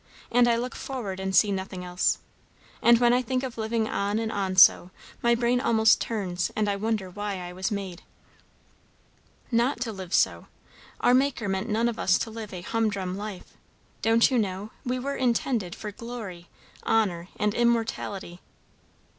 "And I look forward and see nothing else. And when I think of living on and on so my brain almost turns, and I wonder why I was made." "Not to live so. Our Maker meant none of us to live a humdrum life; don't you know, we were intended for 'glory, honour, and immortality'?"